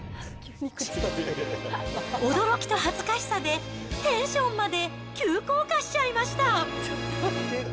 驚きと恥ずかしさでテンションまで急降下しちゃいました。